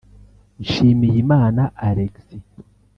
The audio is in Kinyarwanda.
Nshimiyimana Alexis